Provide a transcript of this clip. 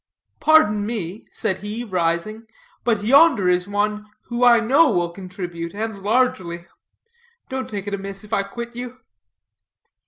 "Pardon me," said he, rising, "but yonder is one who I know will contribute, and largely. Don't take it amiss if I quit you."